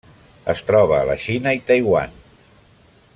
Es troba a la Xina i Taiwan.